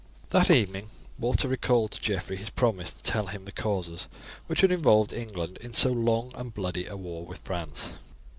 That evening Walter recalled to Geoffrey his promise to tell him the causes which had involved England in so long and bloody a war with France.